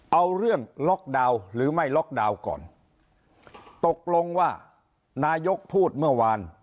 เอาเรื่องล็อกดาวน์หรือไม่ล็อกดาวน์ก่อนตกลงว่านายกพูดเมื่อวาน